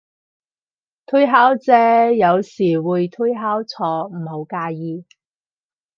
推敲啫，有時會推敲錯，唔好介意